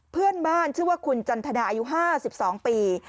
เพื่อนบ้านชื่อว่าคุณจันทนาอายุ๕๒ปี